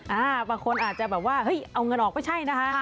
บางคนอาจจะแบบว่าเฮ้ยเอาเงินออกไม่ใช่นะคะ